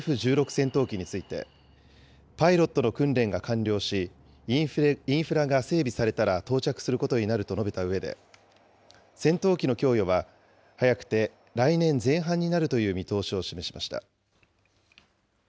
戦闘機について、パイロットの訓練が完了し、インフラが整備されたら到着することになると述べたうえで、戦闘機の供与は、早くて来年前半になるという見通しを示しました。